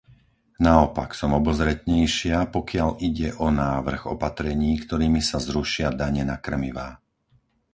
Naopak som obozretnejšia, pokiaľ ide o návrh opatrení, ktorými sa zrušia dane na krmivá.